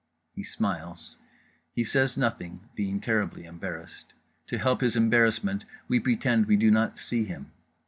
He smiles. He says nothing, being terribly embarrassed. To help his embarrassment, we pretend we do not see him.